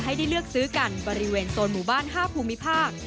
ให้ได้เลือกซื้อกันบริเวณโซนหมู่บ้าน๕ภูมิภาค